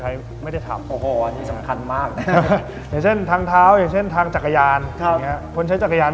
ข้อมีคำพูดที่ว่า